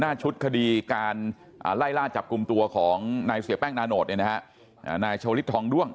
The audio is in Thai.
หน้าชุดคดีการไล่ล่าจับกลุ่มตัวของนายเสียแป้งนาโนธนายชาวลิศทองด้วง